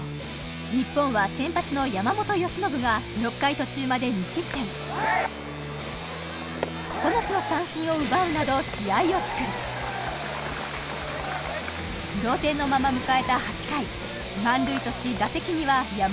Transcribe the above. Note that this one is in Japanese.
日本は先発の山本由伸が６回途中まで２失点９つの三振を奪うなど試合をつくる同点のまま迎えた８回満塁とし打席には左中間！